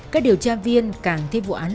các điều tra viên càng thấy vụ án